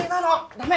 だめ！